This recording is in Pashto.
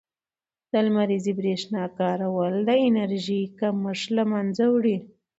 د لمریزې برښنا کارول د انرژۍ کمښت له منځه وړي.